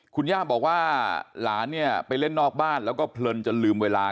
คุณย่าบอกว่าหลานเนี่ยไปเล่นนอกบ้านแล้วก็เพลินจนลืมเวลา